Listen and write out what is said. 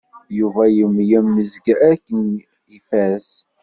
Yuba yemyezg-d akken ifaz.